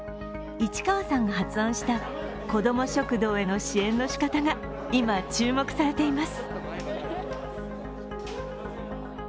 市川さんがは発案した子ども食堂への支援の仕方が今、注目されています。